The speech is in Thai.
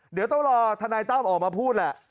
เดี๋ยวต้องรอธนายตั้มออกมาพูดแหละ